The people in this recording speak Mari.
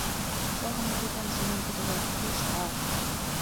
Поро мутетлан, Семон Петрович, пеш тау!